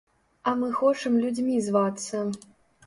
А мы хочам людзьмі звацца.